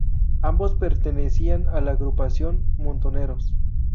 Ambos pertenecían a la agrupación Montoneros.